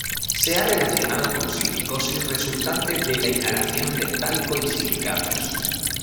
Se ha relacionado con silicosis resultante de la inhalación de talco y silicatos.